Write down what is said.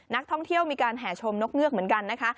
นักท่องเที่ยวมีการแห่ชมนกเงือกเหมือนกันนะคะ